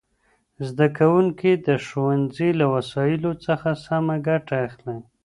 زدهکوونکي د ښوونځي له وسایلو څخه سمه ګټه اخلي.